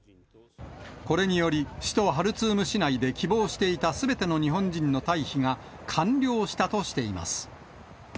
これにより、首都ハルツーム市内で希望していたすべての日本人の退避が完了したとしています。